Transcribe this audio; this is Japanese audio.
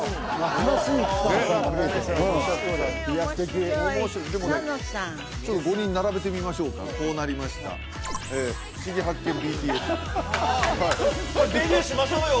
新しい草野さんが見れてへえ面白い草野さん５人並べてみましょうかこうなりました「ふしぎ発見！」ＢＴＳデビューしましょうよ